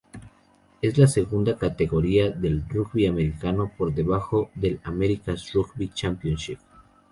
Es la segunda categoría del rugby americano, por debajo del Americas Rugby Championship.